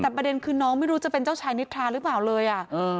แต่ประเด็นคือน้องไม่รู้จะเป็นเจ้าชายนิทราหรือเปล่าเลยอ่ะ